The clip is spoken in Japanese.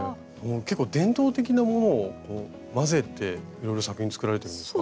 結構伝統的なものを混ぜていろいろ作品作られてるんですか？